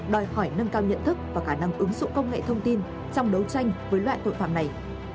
đòi hỏi nâng cao nhận thức và khả năng ứng dụng công nghệ thông tin trong đấu tranh với loại tội phạm này